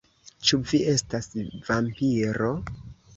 Ĉu vi estas vampiro?